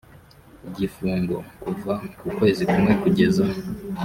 igifungo kuva ku kwezi kumwe kugeza